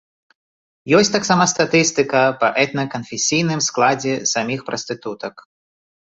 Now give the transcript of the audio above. Ёсць таксама статыстыка па этна-канфесійным складзе саміх прастытутак.